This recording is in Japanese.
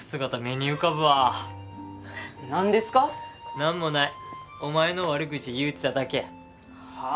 何もないお前の悪口言うてただけやはぁ？